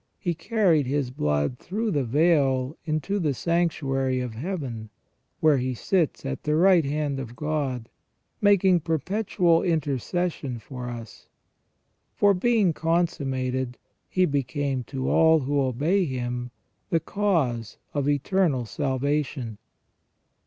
He carried His blood through the veil into the sanctuary of Heaven, where He sits at the right hand of God, making perpetual intercession for us. For " being con summated, He became to all who obey Him the cause of eternal salvation